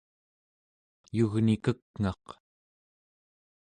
yugnikek'ngaq